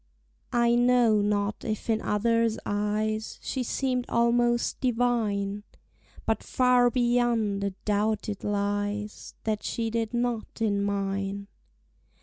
I KNOW not if in others' eyes She seem'd almost divine; But far beyond a doubt it lies That she did not in mine.